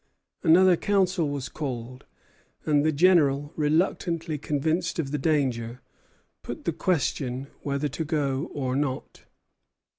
Another council was called; and the General, reluctantly convinced of the danger, put the question whether to go or not.